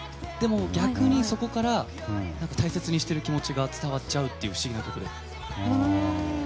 でも逆にそこから大切にしている気持ちが伝わっちゃうという不思議な曲で。